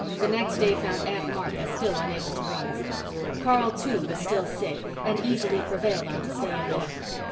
The next day found Aunt Martha still unable to rise. Carl, too, was still sick and easily prevailed on to stay in bed.